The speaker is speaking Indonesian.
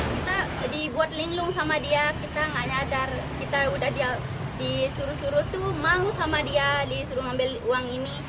kita dibuat linglung sama dia kita nggak nyadar kita udah dia disuruh suruh tuh mau sama dia disuruh ngambil uang ini